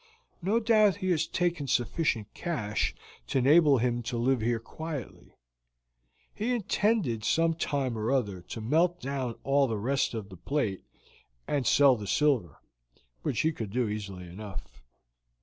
No doubt he has taken sufficient cash to enable him to live here quietly. He intended some time or other to melt down all the rest of the plate and to sell the silver, which he could do easily enough.